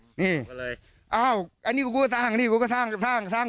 นี่ก็เลยอ้าวอันนี้กูก็สร้างนี่กูก็สร้างสร้างสร้าง